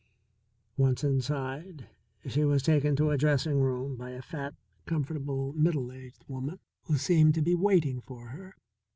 Once inside she was taken to a dressing room by a fat, comfortable, middle aged woman who seemed to be waiting for her.